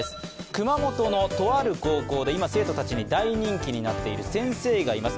熊本のとある高校で今、生徒たちに大人気になっている先生がいます。